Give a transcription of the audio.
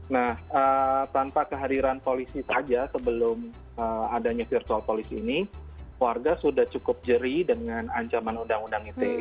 nah tanpa kehadiran polisi saja sebelum adanya virtual polisi ini warga sudah cukup jerih dengan ancaman undang undang ite